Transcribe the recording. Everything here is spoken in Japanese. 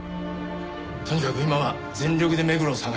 とにかく今は全力で目黒を捜してる。